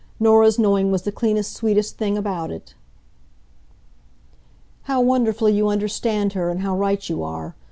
Norah's knowing was the cleanest, sweetest thing about it." "How wonderfully you understand her, and how right you are!